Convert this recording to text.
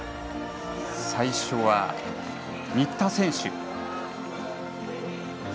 最初は新田選手。